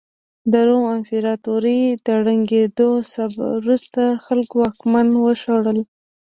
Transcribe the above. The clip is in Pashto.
د روم امپراتورۍ له ړنګېدو وروسته خلکو واکمنان وشړل